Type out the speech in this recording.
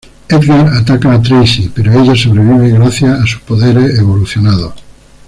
Edgar ataca a Tracy, pero ella sobrevive gracias a sus poderes evolucionados.